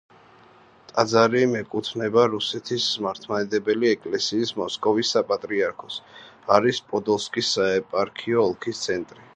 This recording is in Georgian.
ტაძარი მეკუთვნება რუსეთის მართლმადიდებელი ეკლესიის მოსკოვის საპატრიარქოს, არის პოდოლსკის საეპარქიო ოლქის ცენტრი.